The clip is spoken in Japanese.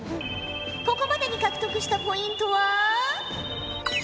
ここまでに獲得したポイントは。